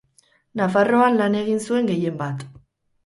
Nafarroan lan egin zuen gehienbat.